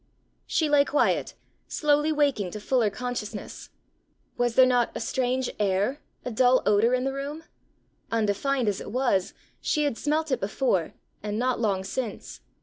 She lay quiet, slowly waking to fuller consciousness. Was there not a strange air, a dull odour in the room? Undefined as it was, she had smelt it before, and not long since!